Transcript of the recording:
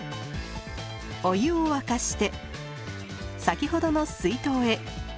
お湯を沸かして先ほどの水筒へ。